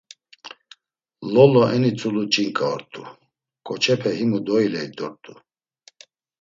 Lolo eni tzulu ç̌inǩa ort̆u, ǩoçepe himu doiley dort̆u.